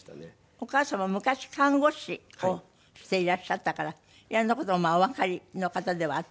お母様昔看護師をしていらっしゃったから色んな事をおわかりの方ではあった？